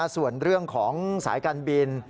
ส่วนเรื่องของสายการบิน